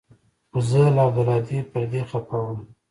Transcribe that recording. خو زه له عبدالهادي پر دې خپه وم.